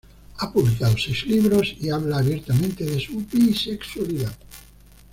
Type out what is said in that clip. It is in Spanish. Ha publicado seis libros y habla abiertamente de su bisexualidad.